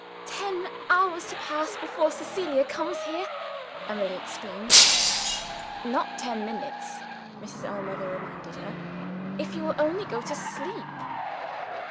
"Ten hours to pass before Cecilia comes here!" Emily exclaimed. "Not ten minutes," Mrs. Ellmother reminded her, "if you will only go to sleep."